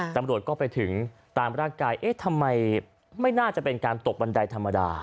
ตำรวจก็ไปถึงตามร่างกายเอ๊ะทำไมไม่น่าจะเป็นการตกบันไดธรรมดา